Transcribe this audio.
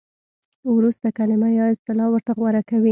ورسته کلمه یا اصطلاح ورته غوره کوي.